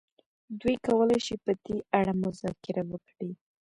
دوی کولای شي په دې اړه مذاکره وکړي.